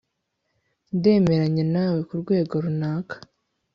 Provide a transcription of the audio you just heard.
ndemeranya nawe kurwego runaka